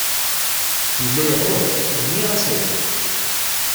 Yella yeɣleḍ u nniɣ-as aya.